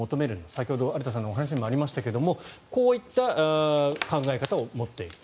先ほど有田さんのお話にもありましたがこういった考え方を持っている。